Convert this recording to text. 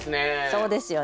そうですよね。